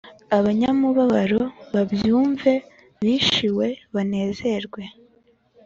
Abanyamubabaro babyumve bishiwe banezerwe